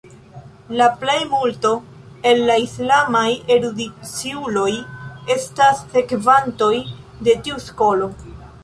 La plejmulto el la islamaj erudiciuloj estas sekvantoj de tiu skolo.